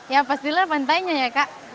ya pastilah pantainya ya kak